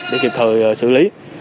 để kịp thời xử lý